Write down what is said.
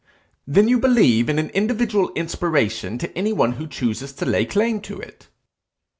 'Then you believe in an individual inspiration to anyone who chooses to lay claim to it!'